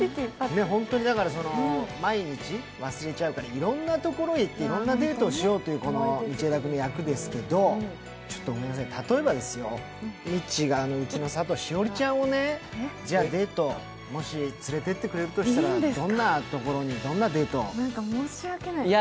毎日忘れちゃうから、いろんな所に行って、いろんなデートをしようという道枝君の役ですけど、例えばですよ、みっちーがうちの佐藤栞里ちゃんをね、じゃ、デート、もし連れてってくれるとしたらいいんですか、申し訳ない。